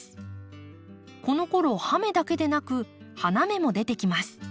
このころ葉芽だけでなく花芽も出てきます。